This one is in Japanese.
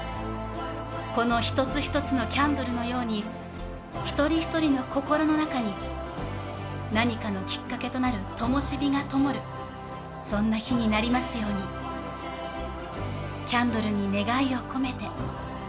この一つ一つのキャンドルのように一人一人の心の中に、何かのきっかけとなる、ともし火がともる、そんな日になりますように、キャンドルに願いを込めて。